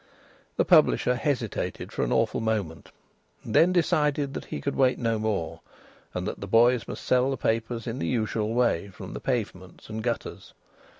The publisher hesitated for an awful moment, and then decided that he could wait no more, and that the boys must sell the papers in the usual way from the pavements and gutters.